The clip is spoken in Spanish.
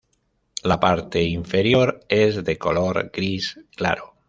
La parte inferior es de color gris claro.